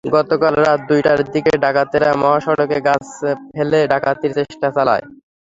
গতকাল রাত দুইটার দিকে ডাকাতেরা মহাসড়কে গাছ ফেলে ডাকাতির চেষ্টা চালায়।